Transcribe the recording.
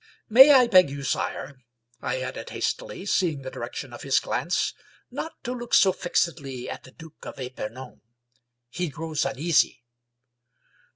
May I beg you, sire," I added hastily, seeing the direction of his glance, " not to look so fixedly at the Duke of Epemon? He grows un easy."